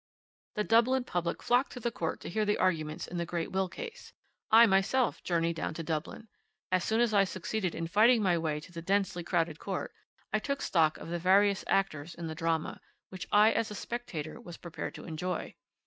"The Dublin public flocked to the court to hear the arguments in the great will case. I myself journeyed down to Dublin. As soon as I succeeded in fighting my way to the densely crowded court, I took stock of the various actors in the drama, which I as a spectator was prepared to enjoy.